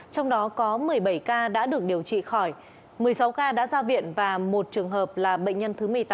trong đó có một mươi bảy ca đã được điều trị khỏi một mươi sáu ca đã ra viện và một trường hợp là bệnh nhân thứ một mươi tám